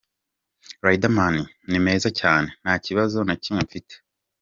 Riderman : Ni meza cyane nta kibazo na kimwe mfite.